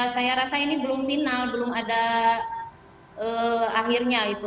saya rasa ini belum final belum ada akhirnya gitu